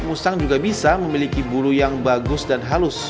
musang juga bisa memiliki bulu yang bagus dan halus